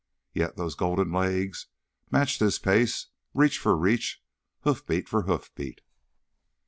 Yet those golden legs matched his pace, reach for reach, hoofbeat for hoofbeat.